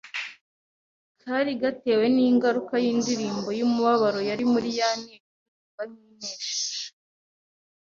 kari gatewe n'ingaruka y'indirimbo y'umubabaro yari muri ya nteko iririmba nk'inesheje.